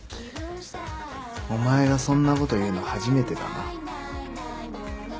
お前がそんなこと言うの初めてだな。